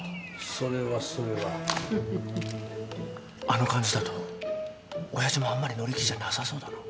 あの感じだと親父もあんまり乗り気じゃなさそうだな。